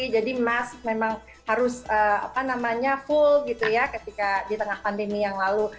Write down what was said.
jadi mas memang harus apa namanya full gitu ya ketika di tengah pandemi yang lalu